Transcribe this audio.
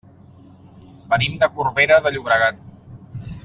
Venim de Corbera de Llobregat.